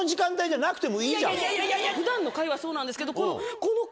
普段の回はそうなんですけど。